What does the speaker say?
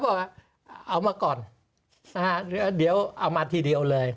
เขาเอามาก่อนหรือว่าเดี๋ยวเอามาทีเดียวเลย